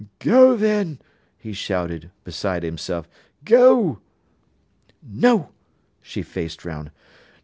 _" "Go, then," he shouted, beside himself. "Go!" "No!" She faced round.